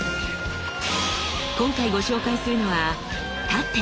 今回ご紹介するのは「殺陣」。